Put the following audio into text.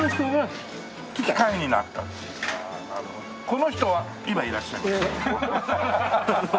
この人は今いらっしゃいます？